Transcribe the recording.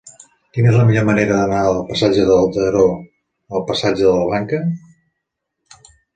Quina és la millor manera d'anar del passatge de Daró al passatge de la Banca?